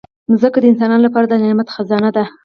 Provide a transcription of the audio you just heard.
مځکه د انسانانو لپاره د نعمت خزانه ده.